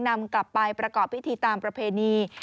นำกลับไปประกอบพิธีตามประเพณี